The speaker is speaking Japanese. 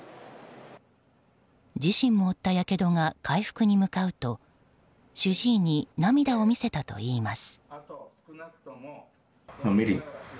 自身も負ったやけどが回復に向かうと主治医に涙を見せたといいます。